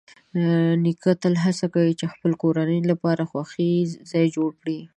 نیکه تل هڅه کوي چې د خپل کورنۍ لپاره د خوښۍ ځای جوړ کړي.